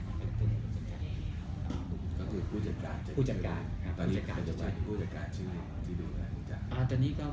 ก็คือผู้จัดการ